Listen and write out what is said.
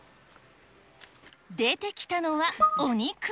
出てきたのはお肉？